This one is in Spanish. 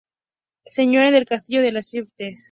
Señora del Castillo de les Sitges.